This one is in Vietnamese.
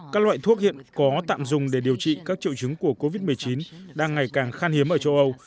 các loại thuốc hiện có tạm dùng để điều trị các triệu chứng của covid một mươi chín đang ngày càng khan hiếm ở châu âu